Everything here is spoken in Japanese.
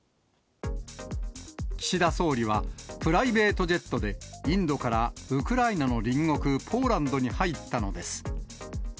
岸田総理はプライベートジェットで、インドからウクライナの隣国、ポーランドに入ったのです。